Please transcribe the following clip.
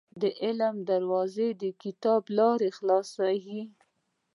• د علم دروازه، د کتاب له لارې خلاصېږي.